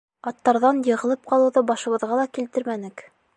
Аттарҙан йығылып ҡалыуҙы башыбыҙға ла килтермәнек.